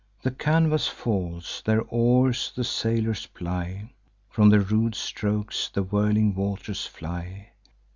The canvas falls; their oars the sailors ply; From the rude strokes the whirling waters fly.